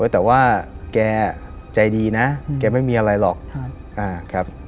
แต่ว่าแกใจดีนะแกไม่มีอะไรหรอกครับ